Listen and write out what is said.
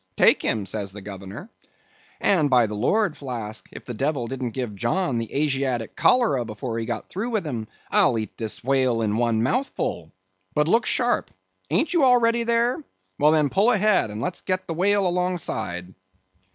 'Take him,' says the governor—and by the Lord, Flask, if the devil didn't give John the Asiatic cholera before he got through with him, I'll eat this whale in one mouthful. But look sharp—ain't you all ready there? Well, then, pull ahead, and let's get the whale alongside."